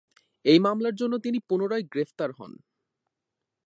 এই মামলার জন্য তিনি পুনরায় গ্রেফতার হন।